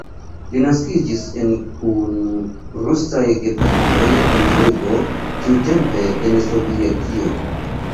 Li naskiĝis en kun rusaj gepatroj en Rigo, tiutempe en Sovetio.